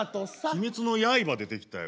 「鬼滅の刃」出てきたよ。